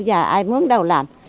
già ai mướn đâu làm